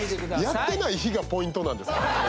やってない日がポイントなんです？